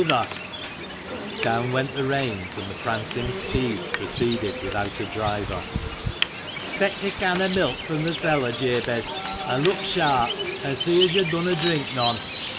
THE MANCHESTER MAN. gi Down went the reins, and the prancing steeds proceeded without a driver. " Fetch a can of milk from the cellar, Jabez ; an' look sharp, An' see as yo' dunna drink none!"